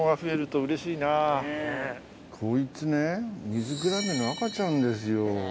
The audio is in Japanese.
こいつねミズクラゲの赤ちゃんですよ。